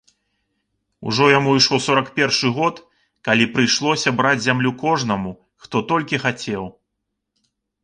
Ужо яму ішоў сорак першы год, калі прыйшлося браць зямлю кожнаму, хто толькі хацеў.